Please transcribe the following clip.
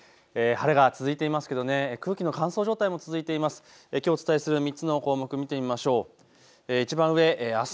晴れが続いてますけど、空気の乾燥状態も続いています。